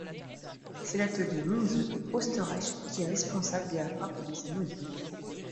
C'est l'atelier Münze Österreich qui est responsable de la frappe de ces monnaies.